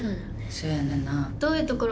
そやねんな。